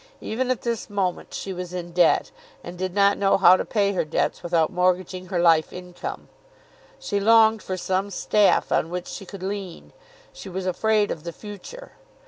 Even at this moment she was in debt, and did not know how to pay her debts without mortgaging her life income. She longed for some staff on which she could lean. She was afraid of the future.